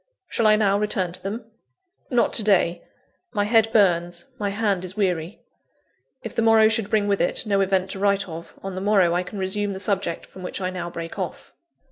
Shall I now return to them? Not to day; my head burns, my hand is weary. If the morrow should bring with it no event to write of, on the morrow I can resume the subject from which I now break off.